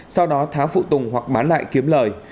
sau đó tháo phụ tùng hoặc bán lại kiếm lời